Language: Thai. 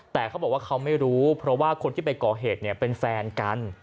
แต่เขาบอกว่าเขาไม่รู้เพราะว่าคนที่ไปก่อเหตุเป็นแฟนกัน